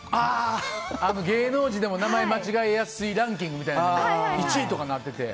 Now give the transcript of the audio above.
芸能人でも名前間違えやすいランキングとかで１位とかになってて。